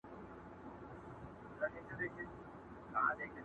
هم د زرو موږكانو سكه پلار يم.!